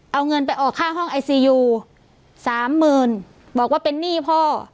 เอาเงินไปออกค่าห้องไอซียูสามหมื่นบอกว่าเป็นหนี้พ่อ